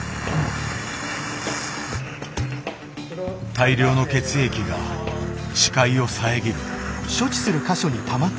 大量の血液が視界を遮る。